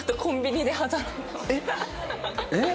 えっ！